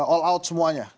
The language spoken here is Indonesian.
all out semuanya